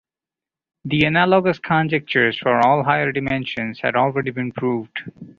The analogous conjectures for all higher dimensions had already been proved.